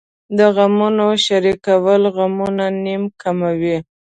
د غمونو شریکول غمونه نیم کموي .